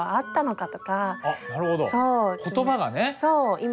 そう！